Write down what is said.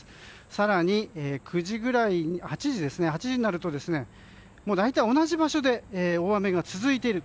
更に、８時になると大体同じ場所で大雨が続いている。